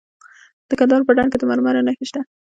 د کندهار په ډنډ کې د مرمرو نښې شته.